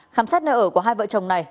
khám sát nơi ở của hai vợ chồng này